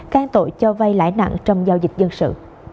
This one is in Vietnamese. can tội cho vay lãi nặng trong giao dịch dân sự